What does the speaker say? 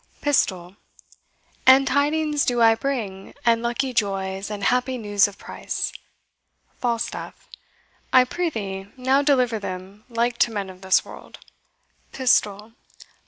PISTOL. And tidings do I bring, and lucky joys, And happy news of price. FALSTAFF. I prithee now deliver them like to men of this world. PISTOL.